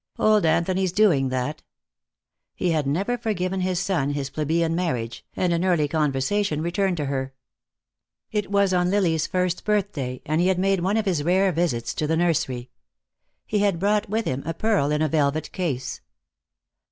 Old Anthony's doing, that. He had never forgiven his son his plebeian marriage, and an early conversation returned to her. It was on Lily's first birthday and he had made one of his rare visits to the nursery. He had brought with him a pearl in a velvet case.